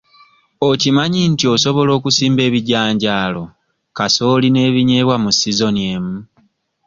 Okimanyi nti osobola okusimba ebijanjaalo, kasooli n'ebinyeebwa mu sizoni emu?